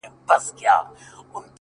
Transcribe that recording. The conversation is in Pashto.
نو نن _